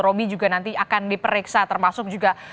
romi juga nanti akan diperiksa termasuk juga